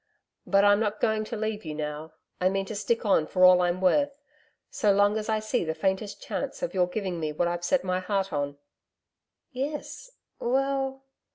But I'm not going to leave you now, I mean to stick on for all I'm worth, so long as I see the faintest chance of your giving me what I've set my heart on.' 'Yes well?'